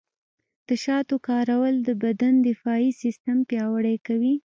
د شاتو کارول د بدن دفاعي سیستم پیاوړی کوي.